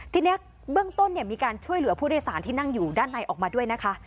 ทีนี้เบื้องต้นมีการช่วยเหลือผู้โดยสารที่นั่งอยู่ด้านในออกมาด้วยนะคะ